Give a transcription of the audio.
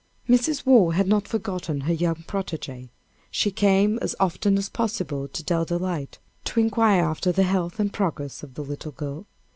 Mrs. Waugh had not forgotten her young protége. She came as often as possible to Dell Delight, to inquire after the health and progress of the little girl.